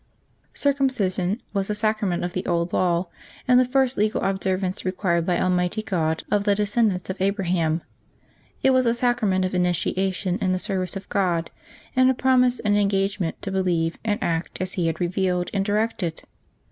CIRCUMCISION was a sacrament of the Old Law, and the first legal observance required by Almighty God of the descendants of Abraham. It w^as a sacrament of initiation in the service of God, and a promise and en gagement to believe and act as He had revealed and directed.